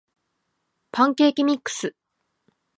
パンケーキミックス